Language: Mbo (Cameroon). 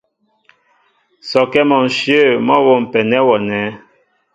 Sɔkɛ́ mɔ ǹshyə̂ mɔ́ a wômpɛ nɛ́ wɔ nɛ̂.